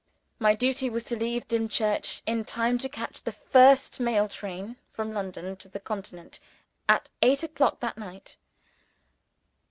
My duty was to leave Dimchurch in time to catch the fast mail train from London to the Continent, at eight o'clock that night.